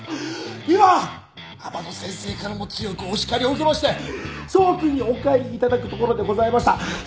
今天野先生からも強くお叱りを受けまして翔君にお帰りいただくところでございました。